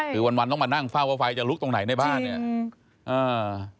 คือวันวันต้องมานั่งเฝ้าว่าไฟจะลุกตรงไหนในบ้านเนี่ยอืมอ่า